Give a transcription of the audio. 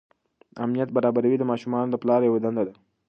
امنیت برابروي د ماشومانو د پلار یوه دنده ده.